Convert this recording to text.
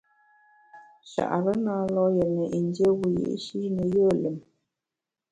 Nchare na lo’ yètne yin dié wiyi’shi ne yùe lùm.